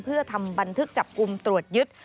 เพื่อทำบันทึกจับกลุ่มตรวจยึด